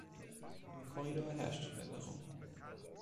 Im Korridor herrschte Verwirrung.